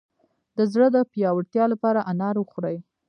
د زړه د پیاوړتیا لپاره انار وخورئ